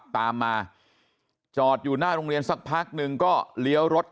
ตามมาจอดอยู่หน้าโรงเรียนสักพักนึงก็เลี้ยวรถ